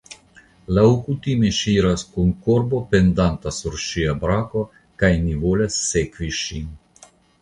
Laŭkutime ŝi iras kun korbo pendanta sur ŝia brako, kaj ni volas sekvi ŝin.